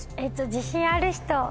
自信ある人？